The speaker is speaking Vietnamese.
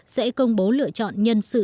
sẽ công bố lựa chọn nhân sự